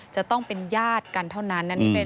จะต้องเป็นญาติกันเท่านั้น